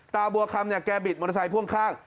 บัวคำเนี่ยแกบิดมอเตอร์ไซค์พ่วงข้าง